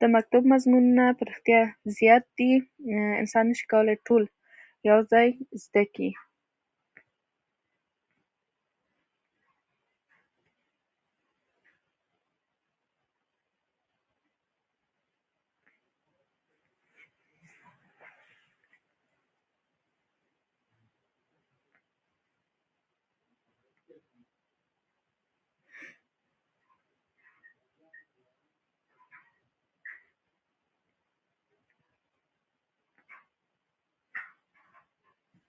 د مکتب مضمونونه په رښتيا زيات دي او انسان نشي کولای ټوله په يوه ځاي زده کړي